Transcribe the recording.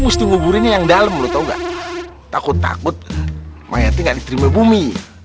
musti nguburin yang dalam lo tau gak takut takut mayatnya gak diterima bumi